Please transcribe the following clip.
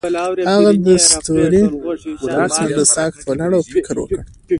هغه د ستوري پر څنډه ساکت ولاړ او فکر وکړ.